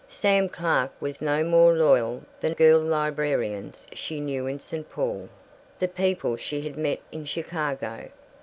Sam Clark was no more loyal than girl librarians she knew in St. Paul, the people she had met in Chicago.